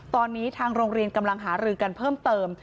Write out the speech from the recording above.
ตอนนี้ทางโรงเรียนกำลังหารือกันเพิ่มเติม